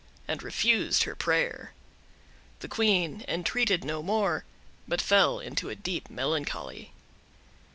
and refused her prayer. The Queen entreated no more, but fell into a deep melancholy.